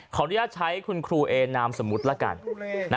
อนุญาตใช้คุณครูเอนามสมมุติละกัน